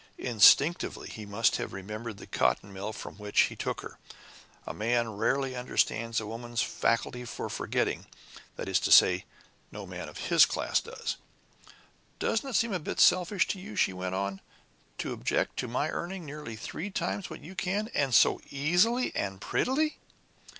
Instinctively he must have remembered the cotton mill from which he took her. A man rarely understands a woman's faculty for forgetting that is to say, no man of his class does. "Doesn't it seem a bit selfish of you," she went on, "to object to my earning nearly three times what you can and so easily and prettily?"